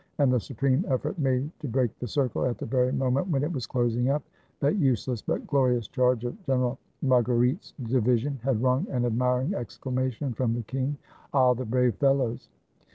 And the supreme effort made to break the circle at the very moment when it was closing up, that useless but glorious charge of Gen 402 THE WHITE FLAG OF SEDAN eral Margueritte's division, had wrung an admiring ex clamation from the king: "Ah! the brave fellows!"